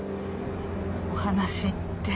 お話って。